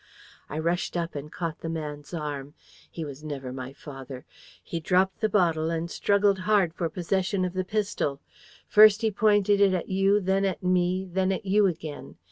"I rushed up and caught the man's arm. He was never my father! He dropped the bottle and struggled hard for possession of the pistol. First he pointed it at you, then at me, then at you again.